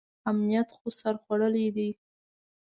امنیت خو سر خوړلی دی.